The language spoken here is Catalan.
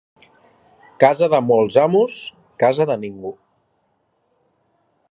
Casa de molts amos, casa de ningú.